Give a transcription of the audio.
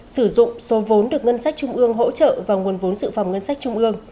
sử dụng số vốn được ngân sách trung ương hỗ trợ và nguồn vốn sự phòng ngân sách trung ương